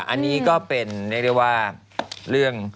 อันนี้ก็เป็นเรื่อง